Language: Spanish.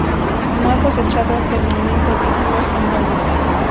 No ha cosechado hasta el momento títulos en dobles.